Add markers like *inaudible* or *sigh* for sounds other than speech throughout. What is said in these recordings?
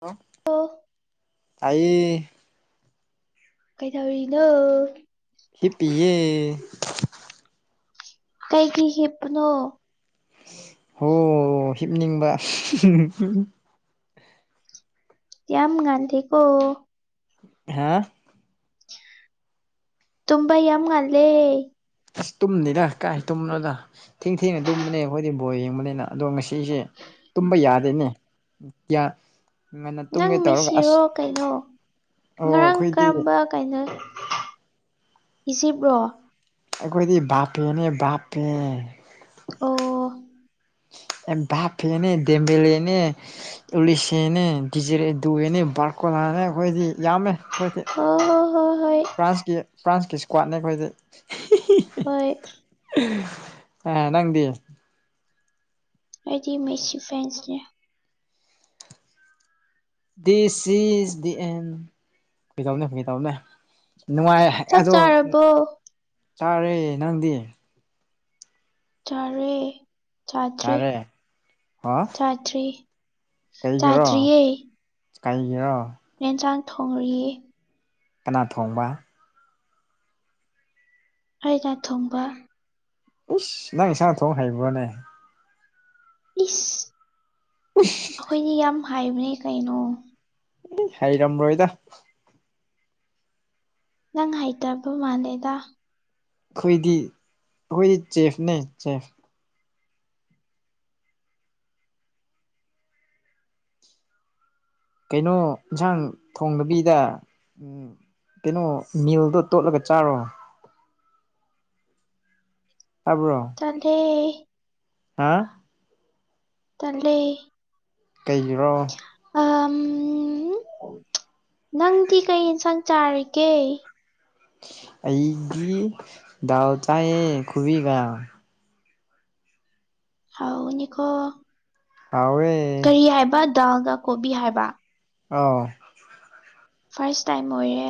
ꯑꯣ ꯑꯣ ꯇꯥꯏꯌꯦ ꯀꯩꯗꯧꯔꯤꯅꯣ ꯍꯤꯞꯄꯤꯌꯦ ꯀꯩꯒꯤ ꯍꯤꯞꯄꯅꯣ ꯍꯣ ꯍꯤꯞꯅꯤꯡꯕ *unintelligible* ꯌꯥꯝ ꯉꯥꯟꯗꯦꯀꯣ ꯍꯥ ꯇꯨꯝꯕ ꯌꯥꯝ ꯉꯜꯂꯦ ꯑꯁ ꯇꯨꯝꯗꯦꯗ ꯀꯥꯏ ꯇꯨꯝꯅꯣꯗ ꯊꯦꯡ ꯊꯦꯡꯅ ꯇꯨꯝꯕꯅꯤ ꯑꯩꯈꯣꯏꯗꯤ ꯕꯣꯜ ꯌꯦꯡꯕꯅꯤꯅ ꯑꯗꯣ ꯉꯁꯤꯁꯦ ꯇꯨꯝꯕ ꯌꯥꯗꯦꯅꯦ ꯌꯥ ꯉꯟꯅ ꯅꯪ ꯇꯨꯝꯒꯦ ꯇꯧꯔꯒ ꯃꯤꯁꯤꯔꯣ ꯑꯁ ꯀꯩꯅꯣ ꯑꯣ ꯉꯔꯥꯡ ꯑꯩꯈꯣꯏꯗꯤ ꯀꯔꯝꯕ ꯀꯥꯏꯅ ꯏꯁꯤꯕ꯭ꯔꯣ ꯑꯩꯈꯣꯏꯗꯤ ꯕꯥꯄꯦꯅꯦ ꯕꯥꯞꯄꯦ ꯑꯣ ꯑꯦꯝꯕꯥꯞꯄꯦꯅꯦ ꯗꯦꯝꯕꯦꯂꯦꯅꯦ ꯑꯣꯂꯤꯁꯦꯅꯦ ꯗꯤꯖꯔꯦꯗꯨꯋꯦꯅꯦ ꯕꯥꯔꯀꯣꯂꯥꯅꯦ ꯑꯩꯈꯣꯏꯗꯤ ꯌꯥꯝꯃꯦ ꯑꯩꯈꯣꯏꯗꯤ ꯑꯣ ꯐ꯭ꯔꯥꯟꯁꯀꯤ ꯐ꯭ꯔꯥꯟꯁꯀꯤ ꯏꯁꯀ꯭ꯋꯥꯠꯅꯦ ꯑꯩꯈꯣꯏꯗꯤ ꯍꯤ ꯍꯤ ꯍꯣꯏ *unintelligible* ꯑꯦ ꯅꯪꯗꯤ ꯑꯩꯗꯤ ꯃꯩꯁꯤ ꯐꯦꯟꯁꯅꯦ ꯗꯤꯁ ꯏꯁ ꯗꯤ ꯑꯦꯟ ꯐꯒꯤ ꯇꯧꯕꯅꯦ ꯐꯒꯤ ꯇꯧꯕꯅꯦ ꯅꯨꯡꯉꯥꯏ ꯆꯥꯛ ꯑꯗꯣ ꯆꯥꯔꯕꯣ ꯆꯥꯔꯦ ꯅꯪꯗꯤ ꯆꯥꯔꯦ ꯆꯥꯇ꯭ꯔꯤ ꯆꯥꯔꯦ ꯍꯣ ꯆꯥꯇ꯭ꯔꯤ ꯀꯩꯒꯤꯔꯣ ꯀꯩꯒꯤꯔꯣ ꯌꯦꯟꯖꯥꯡ ꯊꯣꯡꯔꯤ ꯀꯅꯥ ꯊꯣꯡꯕ ꯑꯩꯅ ꯊꯣꯡꯕ ꯎꯁ ꯅꯪ ꯏꯟꯁꯥꯡ ꯊꯣꯡ ꯍꯩꯕ꯭ꯔꯣꯅꯦ ꯏꯁ *unintelligible* ꯑꯈꯣꯏꯅꯤ ꯌꯥꯝ ꯍꯥꯏꯕꯅꯦ ꯀꯩꯅꯣ ꯍꯩꯔꯝꯔꯣꯏꯗ ꯅꯪ ꯍꯩꯇꯕ ꯃꯥꯜꯂꯦꯗ ꯑꯩꯈꯣꯏꯗꯤ ꯑꯩꯈꯣꯏꯗꯤ ꯆꯦꯐꯅꯦ ꯆꯦꯐ ꯀꯩꯅꯣ ꯏꯟꯁꯥꯡ ꯊꯣꯡꯗꯕꯤꯗ ꯎꯝ ꯀꯩꯅꯣ ꯃꯤꯜꯗꯣ ꯇꯣꯠꯂꯒ ꯆꯥꯔꯣ ꯇꯥꯕ꯭ꯔꯣ ꯇꯗ ꯍꯥ ꯇꯗꯜꯂꯤ ꯀꯩꯒꯤꯔꯣ ꯅꯪꯗꯤ ꯀꯩ ꯑꯦꯟꯁꯥꯡ ꯆꯥꯔꯤꯒꯦ ꯑꯩꯒꯤ ꯎ ꯆꯌꯦꯦ ꯈꯨꯕ ꯀꯌꯥꯝ ꯍꯥꯎꯅꯤꯈꯣ ꯇꯋꯦ ꯀꯔꯤ ꯍꯥꯏꯕ ꯗꯥꯜꯒ ꯀꯣꯕꯤ ꯍꯥꯏꯕ ꯑꯥꯎ ꯐꯥꯔꯁ ꯇꯥꯏꯝ ꯑꯣꯏꯔꯦ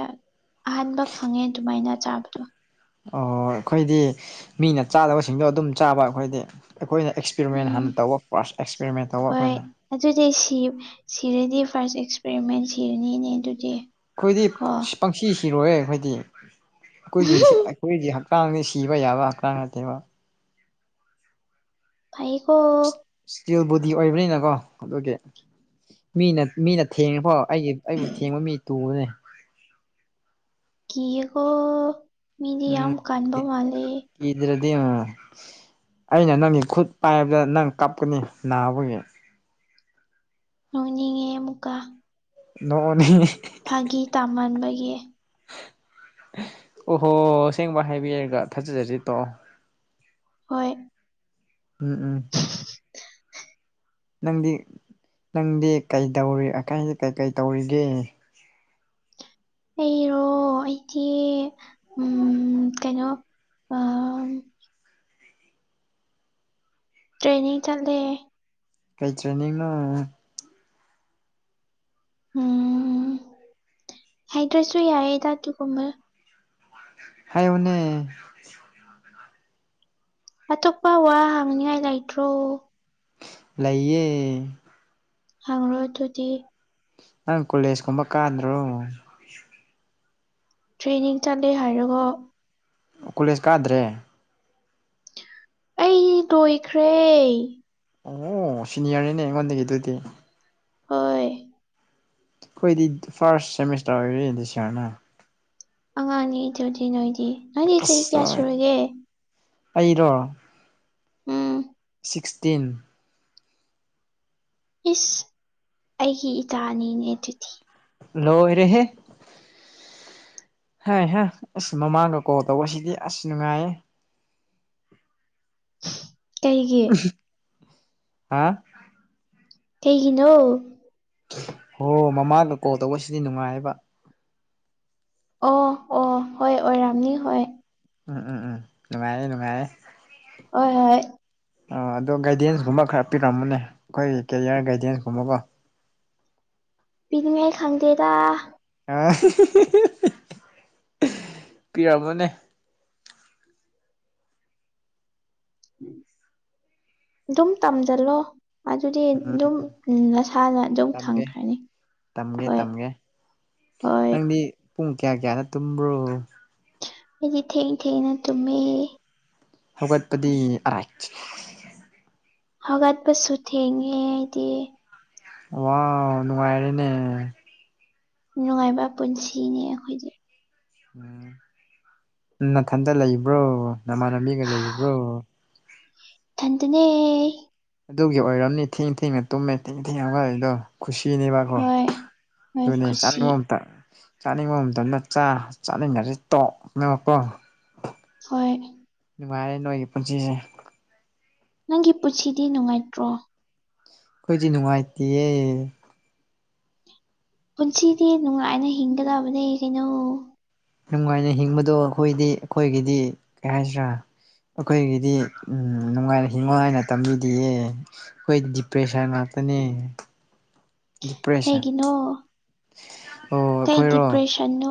ꯑꯍꯥꯟꯕ ꯈꯪꯉꯦ ꯑꯗꯨꯃꯥꯏꯅ ꯆꯥꯕꯗꯣ ꯑꯣ ꯑꯩꯈꯣꯏꯗꯤ ꯃꯤꯅ ꯆꯥꯗꯕꯁꯤꯡꯗꯣ ꯑꯗꯨꯝ ꯆꯥꯕ ꯑꯩꯈꯣꯏꯗꯤ ꯑꯩꯈꯣꯏꯅ ꯑꯦꯛꯁ ꯑꯦꯛꯁꯄꯔꯤꯃꯦꯟ ꯎꯝ ꯍꯥꯟꯅ ꯇꯧꯕ ꯐꯥꯔꯁ ꯑꯦꯛꯁꯄꯦꯔꯤꯃꯦꯟ ꯇꯧꯕ ꯍꯣꯏ ꯑꯩꯈꯣꯏꯅ ꯑꯗꯨꯗꯤ ꯁꯤꯔꯗꯤ ꯐꯥꯔꯁ ꯑꯦꯛꯁꯄꯦꯔꯤꯃꯦꯟ ꯁꯤꯔꯅꯤꯅꯦ ꯑꯗꯨꯗꯤ ꯑꯩꯈꯣꯏꯗꯤ ꯀꯣ ꯄꯪꯁꯤ ꯁꯤꯔꯣꯏ ꯑꯩꯈꯣꯏꯗꯤ ꯑꯩꯈꯣꯏꯒꯤ ꯑꯩꯈꯣꯏꯒꯤ ꯈꯥꯡꯅ ꯁꯤꯕ ꯌꯥꯕ ꯈꯥꯡ ꯉ ꯊꯦꯕꯣ ꯐꯩꯀꯣ ꯏꯁꯇꯤꯜ ꯕꯨꯗꯤ ꯑꯣꯏꯕꯅꯤꯅꯀꯣ ꯑꯗꯨꯒꯤ ꯃꯤꯅ ꯃꯤꯅ ꯊꯦꯡꯉꯦꯀꯣ ꯑꯩꯒꯤ ꯑꯩꯕꯨ ꯊꯦꯡꯕ ꯃꯤ ꯇꯨꯕꯅꯦ ꯀꯀꯣ ꯎꯝ ꯊꯦ ꯀꯤꯗ꯭ꯔꯗꯤ ꯑꯩꯅ ꯅꯪꯒꯤ ꯈꯨꯠ ꯄꯥꯏꯕꯗ ꯅꯪ ꯀꯞꯀꯅꯤ ꯅꯥꯕꯒꯤ ꯂꯣꯏꯅꯤꯡꯉꯦ ꯑꯃꯨꯛꯀ ꯅꯣꯡꯅꯤ ꯐꯥꯒꯤ ꯇꯥꯃꯟꯕꯒꯤ ꯑꯣꯍꯣ ꯁꯦꯡꯕ ꯍꯥꯏꯕꯤꯔꯒ ꯊꯥꯖꯔꯁꯤ ꯇꯣꯑꯣ ꯍꯣꯏ ꯎꯝ ꯎꯝ ꯅꯪꯗꯤ ꯅꯪꯗꯤ ꯀꯩ ꯇꯧꯔꯤ ꯑꯀꯥꯏꯁꯤ ꯀꯩꯀꯩ ꯇꯧꯔꯤꯒꯦ ꯑꯩꯔꯣ ꯑꯩꯗꯤ ꯀꯩꯅꯣ ꯇ꯭ꯔꯦꯅꯤꯡ ꯆꯠꯂꯦ ꯀꯩ ꯇ꯭ꯔꯦꯅꯤꯡꯡꯅ ꯎꯝ ꯍꯥꯏꯗ꯭ꯔꯁꯨ ꯌꯥꯏꯌꯦꯗ ꯑꯗꯨꯒꯒꯨꯝꯕ ꯍꯥꯏ ꯃ *inaudible* ꯑꯇꯣꯞꯄ ꯋꯥ ꯍꯥꯡꯅꯤꯉꯥꯏ ꯂꯩꯇ꯭ꯔꯣ ꯂꯩꯌꯦ ꯍꯪꯔꯣ ꯊꯗꯤ ꯅꯪ ꯀꯣꯂꯦꯖꯀꯨꯝꯕ ꯀꯥꯟꯗ꯭ꯔꯣ ꯇ꯭ꯔꯦꯅꯤꯡ ꯆꯠꯂꯦ ꯍꯥꯏꯔꯒ ꯀꯣꯂꯦꯖ ꯀꯥꯗ꯭ꯔꯦ ꯑꯩ ꯅꯣꯏꯈ꯭ꯔꯦ ꯑꯣ ꯁꯤꯅꯤꯌꯔꯅꯤꯅꯦ ꯑꯩꯉꯣꯟꯗꯒꯤ ꯑꯗꯨꯗꯤ ꯍꯣꯏ ꯑꯩꯈꯣꯏꯗꯤ ꯐꯥꯔꯁ ꯁꯦꯃꯤꯁꯇꯔ ꯑꯣꯏꯔꯦꯗ ꯁꯤꯌꯥꯔꯅ ꯑꯉꯥꯡꯅꯤ ꯏꯗꯨꯧꯗꯤ ꯅꯣꯏꯗꯤ ꯅꯣꯏꯗꯤ ꯆꯍꯤ ꯀꯌꯥ ꯑꯁꯂ ꯁꯨꯔꯒꯦ ꯑꯩꯔꯣ ꯎꯝ ꯁꯤꯛꯁꯇꯤꯟ ꯏꯁ ꯑꯩꯒꯤ ꯏꯇꯥ ꯑꯅꯤꯅꯦ ꯑꯗꯨꯗꯤ ꯂꫭꯏꯔꯦꯍꯦ‌꯫ ꯍꯥꯏ ꯍꯥ ꯑꯁ ꯃꯃꯥꯡꯒ ꯀꯣꯜ ꯇꯧꯕꯁꯤꯗꯤ ꯑꯁ ꯅꯨꯡꯉꯥꯏꯌꯦ꯫ *inaudible* ꯍꯥ ꯀꯩꯒꯤꯅꯣ ꯍꯣ ꯃꯃꯥꯡꯒ ꯀꯣꯜ ꯇꯧꯕꯁꯤꯗꯤ ꯅꯨꯡꯉꯥꯏꯌꯦꯕ꯫ ꯑꯣ ꯑꯣ ꯍꯣꯏ ꯑꯣꯏꯔꯝꯅꯤ ꯍꯣꯏ꯫ ꯎꯝ ꯎꯝ ꯎꯝ ꯅꯨꯡꯉꯥꯏꯔꯦ ꯅꯨꯡꯉꯥꯏꯔꯦ꯫ ꯑꫭ ꯍꯣꯏ ꯍꯣꯏ꯫ ꯑ ꯑꯗꯣ ꯒꯥꯏꯗꯦꯟꯁ ꯀꯨꯝꯕ ꯈꯔ ꯄꯤꯔꯝꯕꯅꯦ ꯑꯩꯈꯣꯏꯒꯤ ꯀꯦꯔꯤꯌ꯭ꯔ ꯒꯥꯏꯗꯦꯟꯁ ꯀꯨꯝꯕꯀꯣ꯫ ꯄꯤꯅꯤꯡꯉꯥꯏ ꯈꯪꯗꯦꯗ꯫ ꯑ ꯄꯤꯔꯝꯃꯣꯅꯦ꯫ ꯑꯗꯨꯝ ꯇꯝꯖꯜꯂꯣ꯫ ꯑꯗꯨꯗꯤ ꯑꯗꯨꯝ ꯎꯝ ꯅꯁꯥꯅ ꯑꯗꯨꯝ ꯇꯝꯒꯦ ꯊꯪꯈ꯭ꯔꯅꯤ ꯇꯝꯒꯦ ꯍꯣꯏ꯫ ꯇꯝꯒꯦ ꯍꯣꯏ ꯅꯪꯗꯤ ꯄꯨꯡ ꯀꯌꯥ ꯀꯌꯥꯗ ꯇꯨꯝꯕ꯭ꯔꯣ꯫ ꯑꯩꯗꯤ ꯊꯦꯡ ꯊꯦꯡꯅ ꯇꯨꯝꯃꯦ‌꯫ ꯍꯧꯒꯠꯄꯗꯤ ꯑꯔꯥꯏꯠ ꯍꯧꯒꯠꯄꯁꯨ ꯊꯦꯡꯉꯦ ꯑꯩꯗꯤ꯫ ꯋꯥꯎ ꯅꯨꯡꯉꯥꯏꯔꯦꯅꯦ꯫ ꯅꯨꯡꯉꯥꯏꯕ ꯄꯨꯟꯁꯤꯅꯤ ꯑꯩꯈꯣꯏꯗꯤ ꯎꯝ *unintelligible* ꯅꯥꯊꯟꯗ ꯂꯩꯕ꯭ꯔꯣ ꯅꯃꯥꯟꯅꯕꯤꯒ ꯂꯩꯕ꯭ꯔꯣ ꯫ ꯏꯊꯟꯗꯅꯦ꯫ ꯑꯗꯨꯒꯤ ꯑꯣꯏꯔꯝꯅꯤ ꯊꯦꯡ ꯊꯦꯡꯅ ꯇꯨꯝꯃꯦ ꯊꯦꯡ ꯊꯦꯡꯅ ꯋꯥꯔꯤꯗꯣ꯫ ꯈꯨꯁꯤꯅꯦꯕꯀꯣ ꯍꯣꯏ ꯍꯣꯏ ꯑꯗꯨꯅꯦ ꯈꯨꯁꯤ ꯆꯥꯅꯤꯡꯕ ꯑꯝꯇ ꯆꯥꯅꯤꯡꯕ ꯃꯇꯝꯗ ꯆꯥ ꯆꯅꯤꯡꯗꯔꯗꯤ ꯇꯣꯛ *unintelligible* ꯀꯣ꯫ ꯍꯣꯏ꯫ ꯅꯨꯡꯉꯥꯏꯔꯦ ꯅꯣꯏꯒꯤ ꯄꯨꯟꯁꯤꯁꯦ꯫ ꯅꯪꯒꯤ ꯄꯨꯟꯁꯤꯗꯤ ꯅꯨꯡꯉꯥꯏꯇ꯭ꯔꯣ‌꯫ ꯑꯩꯈꯣꯏꯗꯤ ꯅꯨꯡꯉꯥꯏꯇꯤꯌꯦ꯫ ꯄꯨꯟꯁꯤꯗꯤ ꯅꯨꯡꯉꯥꯏꯅ ꯍꯤꯡꯒꯗꯕꯅꯦ ꯀꯩꯅꯣ꯫ ꯅꯨꯡꯉꯥꯏꯅ ꯍꯤꯡꯕꯗꯣ ꯑꯩꯈꯣꯏꯗꯤ ꯑꯩꯈꯣꯏꯒꯤꯗꯤ ꯀꯩ ꯍꯥꯏꯁꯤꯔꯥ ꯑꯩꯈꯣꯏꯒꯤꯗꯤ ꯅꯨꯡꯉꯥꯏꯅ ꯍꯤꯡꯉꯣ ꯍꯥꯏꯅ ꯇꯝꯕꯤꯗꯤꯌꯦ꯫ ꯑꯩꯈꯣꯏ ꯗꯤꯄ꯭ꯔꯦꯁꯟ ꯉꯥꯛꯇꯅꯦ ꯗꯤꯄ꯭ꯔꯦꯁꯟ꯫ ꯀꯩꯒꯤꯅꯣ ꯑꯣ ꯀꯩ ꯑꯩꯈꯣꯏꯔꯣ ꯗꯤꯄ꯭ꯔꯦꯁꯟꯅꯣ꯫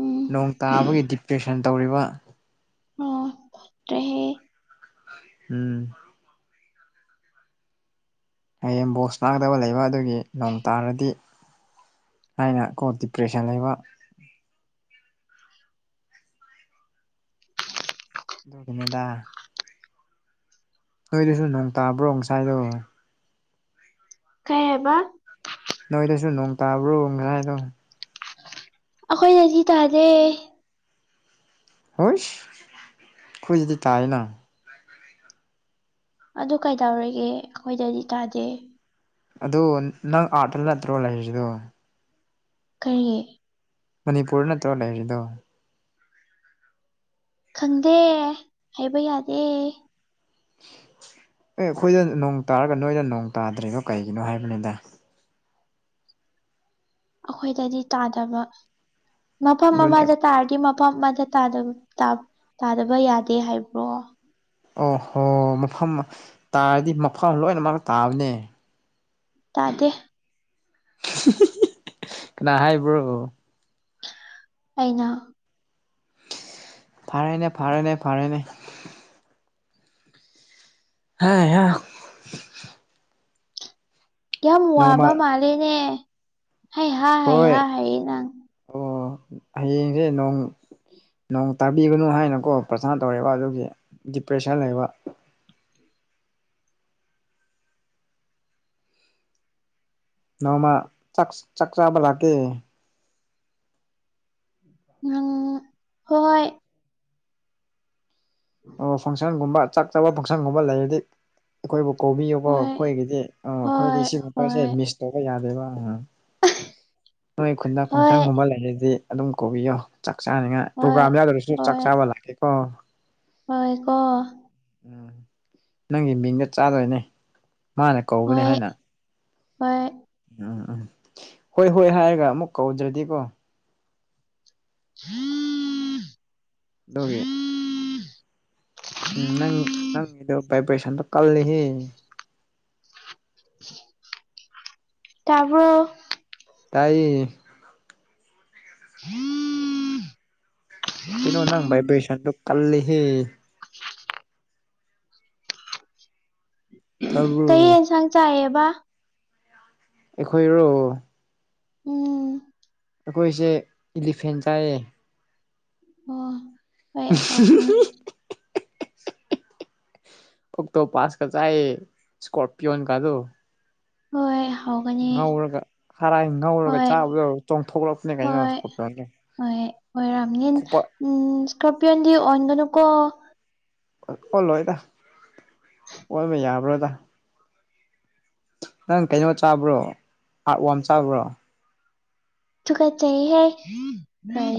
ꯎꯝ ꯅꯣꯡ ꯇꯥꯕꯒꯤ ꯗꯤꯄ꯭ꯔꯦꯁꯟ ꯇꯧꯔꯤꯕ꯫ ꯑꯣ ꯇ꯭ꯔꯦꯍꯦ ꯎꯝ꯫ ꯍꯌꯦꯡ ꯕꯣꯁ ꯁꯅꯒꯗꯧꯕ ꯂꯩꯕ ꯑꯗꯨꯒꯤ ꯅꯣꯡ ꯇꯥꯔꯗꯤ‌꯫ ꯍꯥꯏꯅ ꯀꯣ ꯗꯤꯄ꯭ꯔꯦꯁꯟ ꯂꯩꯕ꯫ ꯗꯨꯒꯤꯅꯦꯗꯥ ꯅꯣꯏꯗꯁꯨ ꯅꫭꯛ ꯇꯥꯕ꯭ꯔꯣ ꯀꯁꯥꯏꯗꫭ꯫ ꯀꯩ ꯍꯥꯏꯕ ꯅꯣꯏꯗꯁꯨ ꯅꯣꯡ ꯇꯥꯕ꯭ꯔꯣ ꯉꯁꯥꯏꯗꫭ꯫ ꯑꯩꯈꯣꯏꯗꯗꯤ ꯇꯥꯗꯦ꯫ ꯍꯣꯏꯁ ꯑꯩꯈꯣꯏ ꯗꯗꯤ ꯇꯥꯏꯑꯅ ꯑꯗꯨ ꯀꯩꯗꯧꯔꯒꯦ ꯑꯩꯈꯣꯏꯗꯗꯤ ꯇꯥꯗꯦ꯫ ꯑꯗꯣ ꯅꯪ ꯑꯥ‍꯭ꯔꯠꯇ ꯅꯠꯇ꯭ꯔꯣ ꯂꯩꯔꯤꯗꯣ꯫ ꯀꯔꯤ ꯃꯅꯤꯄꯨꯔ ꯅꯠꯇ꯭ꯔꯣ ꯂꯩꯔꯤꯗꯣ꯫ ꯈꯪꯗꯦ ꯍꯥꯏꯕ ꯌꯥꯗꯦ ꯑꯦ ꯑꯩꯈꯣꯏꯗ ꯅꯣꯡ ꯇꯥꯔꯒ ꯅꯣꯏꯗ ꯅꯣꯡ ꯇꯥꯗ꯭ꯔꯤꯗꫭ ꯀꯩꯒꯤꯅꯣ ꯍꯥꯏꯕꯅꯤꯗ ꯑꯩꯈꯣꯏꯗꯗꯤ ꯇꯥꯗꯕ ꯃꯐꯝ ꯑꯗꯨꯅꯦ ꯑꯃꯗ ꯇꯥꯔꯗꯤ ꯃ ꯄꯝ ꯑꯃꯗ ꯇꯥꯗꯕ ꯇ-ꯇꯗꯕ ꯌꯥꯗꯦ ꯍꯥꯏꯕ꯭ꯔꯣ ꯑꯣ ꯍꯣ ꯃꯐꯝ ꯇꯥꯔꯗꯤ ꯃꯐꯝ ꯂꯣꯏꯅꯃꯛ ꯇꯥꯕꯅꯦ ꯇꯥꯗꯦ ꯍꯤ-ꯍꯤ-ꯍꯤ ꯀꯅꯥ ꯍꯥꯏꯕ꯭ꯔꯣ ꯑꯩꯅ ꯐꯥꯔꯦꯅꯦ ꯐꯥꯔꯦꯅꯦ ꯐꯥꯔꯦꯅꯦ ꯍꯩꯍꯥ ꯌꯥꯝ ꯅꯣꯡꯃ ꯋꯥꯕ ꯃꯥꯜꯂꯦꯅꯦ ꯍꯩ-ꯍ ꯍꯣꯏ ꯍꯩ-ꯍ ꯍꯥꯏꯑ ꯅꯪ ꯑꯣ ꯍꯌꯦꯡꯁꯦ ꯅꯣꯡ ꯅꯣꯡ ꯇꯥꯕꯤꯒꯅꯨ ꯍꯥꯏꯅꯀꯣ ꯄ꯭ꯔꯁꯥ ꯇꯧꯔꯦꯕ ꯑꯗꯨꯒꯤ ꯗꯤꯄ꯭ꯔꯦꯁꯟ ꯂꯩꯕ ꯅꯣꯡꯃ ꯆꯥꯛ ꯆꯥꯕ ꯂꯥꯛꯀꯦ ꯅꯡ ꯍꯣꯏ ꯑꯣ ꯐꯪꯁꯟꯒꯨꯝꯕ ꯆꯥꯛ ꯆꯥꯕ ꯐꯪꯁꯟꯒꯨꯝꯕ ꯂꯩꯔꯗꯤ ꯑꯩꯈꯣꯏꯕꯨ ꯀꯧꯕꯤꯌꯨꯕꯣ ꯍꯣꯏ ꯑꯩꯈꯣꯏꯒꯤꯗꯤ ꯑ ꯍꯣꯏ ꯑꯩꯈꯣꯏꯗꯤ ꯁꯤꯒꯨꯝꯕꯁꯦ ꯍꯣꯏ ꯃꯤꯁ ꯇꯧꯕ ꯌꯥꯗꯦꯕ ꯑ ꯅꯣꯏ ꯈꯨꯟꯗ ꯍꯣꯏ ꯐꯪꯁꯟꯒꯨꯝꯕ ꯂꯩꯔꯤꯗꯤ ꯑꯗꯨꯝ ꯀꯧꯕꯤꯌꯣ ꯆꯥꯛ ꯆꯥꯅꯤꯡꯉꯥꯏ ꯍꯣꯏ ꯄ꯭ꯔꯣꯒꯥ꯭ꯔꯥꯝ ꯌꯥꯎꯗ꯭ꯔꯁꯨ ꯆꯥꯛ ꯍꯣꯏ ꯆꯥꯕ ꯂꯥꯛꯀꯦꯀꯣ ꯍꯣꯏ ꯀꯣ ꯎꯝ ꯅꯪꯒꯤ ꯃꯤꯡꯒ ꯆꯥꯔꯅꯤ ꯍꯣꯏ ꯍꯣꯏ ꯎꯝ ꯎꯝ ꯍꯣꯏ ꯍꯣꯏ ꯍꯥꯏꯔꯒ ꯑꯃꯨꯛ ꯀꯧꯗ꯭ꯔꯗꯤꯀꯣ inaudible ꯗꯨꯒꯤ ꯎꯝ ꯅꯪ ꯅꯪꯒꯤꯗꫭ ꯚꯥꯏꯕ꯭ꯔꯦꯁꯟꯗꫭ ꯀꯜꯂꯦꯍꯦ inaudible ꯇꯥꯕ꯭ꯔꫭ ꯇꯥꯏꯑꯦ inaudible ꯀꯩꯅꫭ ꯅꯪ ꯕ ꯥꯏꯕ꯭ꯔꯦꯁꯟ ꯗꫭ ꯀꯜꯂꯦꯍꯦ ꯇꯥꯕ꯭ꯔꯣ ꯀꯩ ꯌꯦꯟꯁꯥꯡ ꯆꯥꯏꯌꯦꯕ ꯑꯩꯈꯣꯏꯔꯣ ꯎꯝ ꯑꯩꯈꯣꯏꯁꯦ ꯏꯂꯤꯐꯦꯟ ꯆꯥꯏꯌꯦ ꯑꯣ ꯍꯣꯏ ꯍꯥꯎꯕꯅꯦ ꯑꫭꯛꯇꯣ ꯄꯥꯁ ꯀ ꯆꯥꯏꯑꯦ ꯁꯀꯣꯔꯄꯤꯑꯣꯅ ꯒꯗꯣ ꯍꯣꯏ ꯍꯒ ꯉꯧꯔꯒ ꯍꯥꯔꯥꯏ ꯉꯧꯔꯒ ꯆꯥꯕꯗꯔ ꯆꯣꯡꯊꯣꯛꯂꯛꯄꯅꯦ ꯀꯩꯅꯣꯄ ꯍꯣꯏ ꯍꯣꯏ ꯑꯣꯏꯣꯏꯔꯥꯝꯅꯤ ꯎꯝ ꯏꯁꯀꯣꯔꯄꯤꯌꯣꯗꯤ ꯑꯣꯟꯒꯅꯨꯀꯣ ꯑꯣꯜꯂꯣꯏꯗ ꯑꯣꯟꯕ ꯌꯥꯕ꯭ꯔꯣꯗ ꯅꯪ ꯀꯩꯅꯣ ꯆꯥꯕ꯭ꯔꯣ ꯑꯥꯔꯠ ꯋꯥꯝ ꯆꯥꯕ꯭ꯔꯣ ꯊꯨ ꯀ ꯆꯍꯤ ꯍꯥꯏ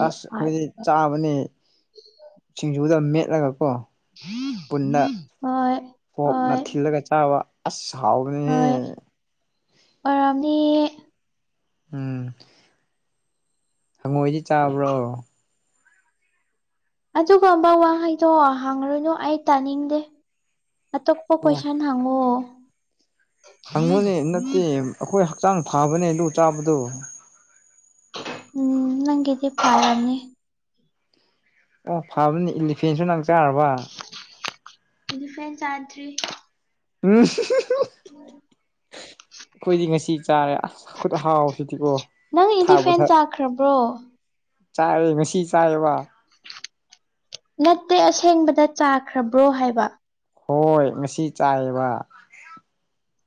ꯑꯁ ꯑꯩꯈꯣꯏꯗꯤ ꯆꯥꯕꯅꯦ ꯁꯤꯡꯖꯨꯗ ꯃꯦꯠꯂꯒ ꯀꯣ ꯄꯨꯟꯅ ꯍꯣꯏ ꯀꯣꯛꯅ ꯍꯣꯏ ꯊꯤꯜꯂꯒ ꯆꯥꯕ ꯑ ꯁꯥꯎꯅꯤ ꯑꯔꯝꯗꯤ ꯎꯝ ꯍꯪꯉꯣꯏꯗꯤ ꯆꯥꯕ꯭ꯔꯣ ꯑꯗꯨꯒꯕ ꯋꯥꯍꯩꯗꯣ ꯍꯥꯡꯉꯔꯨꯅꯨ ꯑꯩ ꯇꯥꯅꯤꯡꯗꯦ ꯑꯇꯣꯞꯄ ꯀꯣꯏꯁꯟ ꯂꯉꯣ ꯍꯪꯕꯅꯦ ꯅꯠꯇꯦ ꯑꯩꯈꯣꯏ ꯍꯛꯆꯥꯡ ꯐꯕꯅꯦ ꯂꯨ ꯆꯥꯕꯗꯣ ꯎꯝ ꯅꯪꯒꯤꯗꯤ ꯄꯥꯔꯅꯤ ꯑꯣ ꯐꯥꯕꯅꯤ ꯏꯂꯤꯐꯦꯟꯁꯨ ꯅꯪ ꯆꯥꯔꯕ ꯗꯤꯐꯦꯟ ꯆꯥꯗ꯭ꯔꯤ ꯎꯝ ꯑꯣꯝ ꯑꯩꯈꯣꯏꯗꯤ ꯉꯁꯤ ꯆꯥꯔꯦ ꯑꯁ ꯈꯨꯗ ꯍꯥꯎꯁꯤꯗꯤꯀꯣ ꯅꯪ ꯏꯂꯤꯐꯦꯟ ꯆꯥꯈ꯭ꯔꯕ꯭ꯔꯣ ꯆꯥꯏꯔꯦ ꯉꯁꯤ ꯆꯥꯏꯌꯦꯕ ꯅꯠꯇꯦ ꯑꯁꯦꯡꯕꯗ ꯆꯥꯈ꯭ꯔꯕ꯭ꯔꯣ ꯍꯥꯏꯕ ꯍꯣꯏ ꯉꯁꯤ ꯆꯥꯏꯌꯦꯕ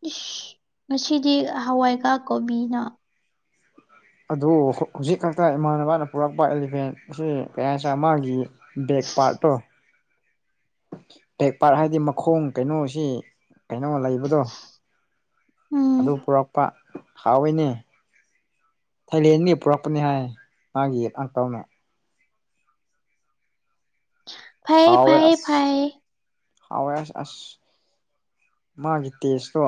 ꯏꯁ ꯉꯁꯤꯗꯤ ꯍꯋꯥꯏꯒꯔꯥꯛ ꯀꯣꯕꯤꯅ ꯑꯗꯨ ꯍꯧꯖꯤꯛ ꯈꯛꯇ ꯏꯃꯥꯟꯅꯕꯅ ꯄꯨꯔꯛꯄ ꯑꯦꯂꯤꯐꯦꯟ ꯑꯁꯤ ꯀꯌꯥ ꯍꯥꯏ ꯆ ꯃꯥꯒꯤ ꯕꯒ ꯄꯥꯔꯠꯇꯣ ꯇꯦꯛ ꯄꯥꯔ ꯍꯥꯏꯗꯤ ꯃꯈꯣꯡ ꯀꯩꯅꯣꯁꯤ ꯀꯩꯅꯣ ꯂꯩꯕꯗꯣ ꯎꯝ ꯑꯗꯨ ꯄꯨꯔꯛꯄ ꯍꯥꯎꯋꯏꯅꯦ ꯊꯥꯏꯂꯦꯟꯒꯤ ꯄꯨꯔꯛꯄꯅꯤ ꯍꯥꯏ ꯃꯥꯒꯤ ꯑꯪꯀꯜꯅ ꯐꯌꯦ ꯐꯥꯏ ꯐꯥꯏ ꯍꯋꯥꯋꯏ ꯑ ꯃꯥꯒꯤ ꯇꯦꯁꯇꯣ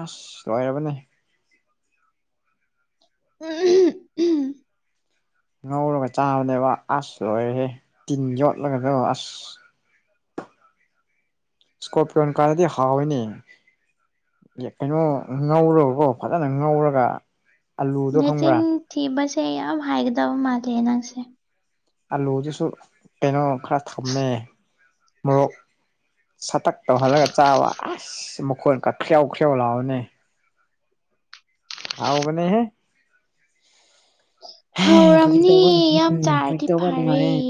ꯑꯁ ꯂꯣꯏꯔꯕꯅꯦ ꯎꯝ ꯎꯝ ꯉꯧꯔꯒ ꯆꯥꯕꯅꯦꯕ ꯑꯁ ꯂꯣꯏꯔꯦ ꯇꯤꯟ ꯌꯣꯠꯂꯒꯁꯨ ꯑꯁ ꯏꯁꯀꯣꯄꯌꯣꯟ ꯀꯥꯟꯔꯗꯤ ꯍꯥꯎꯋꯏꯅꯦ ꯀꯩꯅꯣ ꯉꯧꯔꯕꯀꯣ ꯐꯖꯅ ꯉꯧꯔꯒ ꯑꯂꯨꯗꯣ ꯈꯪꯕ꯭ꯔꯥ ꯅꯦꯆꯤꯟ ꯊꯤꯕꯁꯦ ꯌꯥꯝ ꯍꯥꯏꯒꯗꯕ ꯃꯥꯜꯂꯦ ꯅꯪꯁꯦ ꯑꯥꯜꯂꯨꯗꯨꯁꯨ ꯀꯩꯅꯣ ꯈꯔ ꯊꯝꯃꯦ ꯃꯣꯔꯣꯛ ꯁꯇꯛ ꯇꯧꯍꯜꯂꯒ ꯆꯥꯕ ꯑꯁ ꯃꯈꯣꯟ ꯀ ꯈ꯭ꯔꯦꯎ ꯈ꯭ꯔꯎ ꯂꯥꯛꯑꯣꯅꯦ ꯑꯥꯎꯕꯅꯦꯍꯦ ꯐ ꯍꯧꯔꯝꯅꯤ ꯇꯧꯕ ꯌꯥꯝ ꯎꯝ ꯐꯖꯤ ꯆꯥꯔꯗꯤ ꯇꯧꯕ ꯐꯔꯦ ꯅꯨꯡꯉꯥꯏꯑꯦ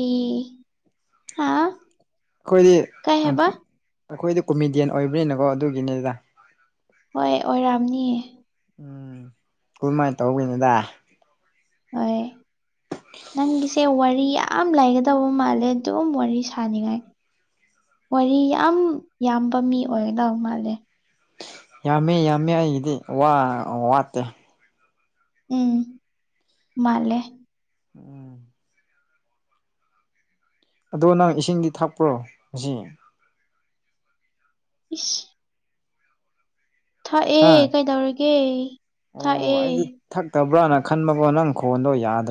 ꯍꯥ ꯀꯣꯏꯗꯤ ꯀꯩ ꯍꯥꯏꯕ ꯑꯩꯈꯣꯏꯗꯤ ꯀꯣꯃꯦꯗꯤꯌꯟ ꯑꯣꯏꯕꯅꯤꯅꯀꯣ ꯑꯗꯨꯒꯤꯅꯤꯗ ꯍꯣꯏ ꯑꯣꯏꯔꯥꯝꯅꯤ ꯎꯝ ꯀꯝꯃꯥꯏꯅ ꯇꯧꯒꯅꯣꯗ ꯍ ꯅꯪꯁꯤ ꯁꯦ ꯋꯥꯔꯤ ꯌꯥꯝ ꯂꯩꯒꯗꯕ ꯃꯥꯜꯂꯦ ꯑꯗꯨꯝ ꯋꯥꯔꯤ ꯁꯥꯅꯤꯡꯉꯥꯏ ꯋꯥꯔꯤ ꯌꯥꯝ ꯌꯥꯝꯕ ꯃꯤ ꯑꯣꯏꯒꯗ ꯃꯥꯜꯂꯦ ꯌꯥꯝꯃꯤ ꯌꯥꯝꯃꯤ ꯑꯩꯒꯤꯗꯤ ꯋꯥꯠꯇꯦ ꯎꯝ ꯃꯥꯂꯦ꯫ ꯎꯝ ꯑꯗꯣ ꯅꯪ ꯏꯁꯤꯡꯗꯤ ꯊꯛꯄ꯭ꯔꯣ ꯫ ꯏꯁ ꯍꯥ ꯊꯥꯛꯑꯦ ꯀꯩꯗꯧꯔꯒꯦ꯫ ꯑꯣ ꯊꯛꯑꯦ ꯑꯩꯗꯤ ꯊꯛꯇꯕ꯭ꯔꯅ ꯈꯟꯕꯀꯣ ꯅꯪ ꯈꯣꯟꯗꯣ ꯌꯥꯗ꯭ꯔꯦ꯫